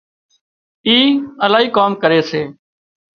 اِي الاهي ڪام ڪري سي